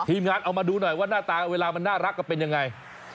งานเอามาดูหน่อยว่าหน้าตาเวลามันน่ารักก็เป็นยังไง